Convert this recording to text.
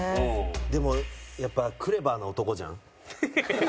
でもやっぱクレバーな男じゃん。